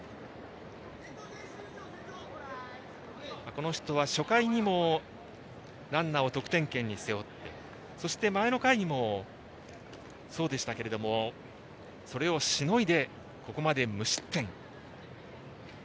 この人は初回にもランナーを得点圏に背負ってそして前の回にもそうでしたがそれをしのいで、ここまで無失点。